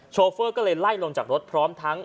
โฟก็เลยไล่ลงจากรถพร้อมทั้ง